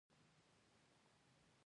موږ وویل پر پښتنو دا هم ډېره ده.